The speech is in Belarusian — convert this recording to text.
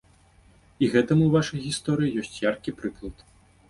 І гэтаму ў вашай гісторыі ёсць яркі прыклад.